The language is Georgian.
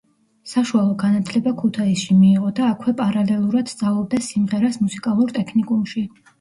საშუალო განათლება ქუთაისში მიიღო და აქვე პარალელურად სწავლობდა სიმღერას მუსიკალურ ტექნიკუმში.